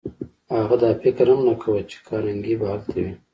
هغه دا فکر هم نه کاوه چې کارنګي به هلته وي.